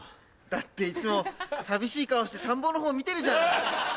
だっていつも寂しい顔して田んぼのほう見てるじゃん！